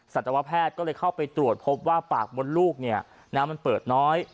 สัตวแพทย์ก็เลยเข้าไปตรวจพบว่าปากมดลูกเนี่ยน้ำมันเปิดน้อย